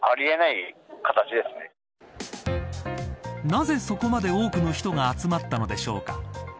なぜ、そこまで多くの人が集まったのでしょうか。